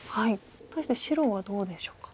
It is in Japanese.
対して白はどうでしょうか？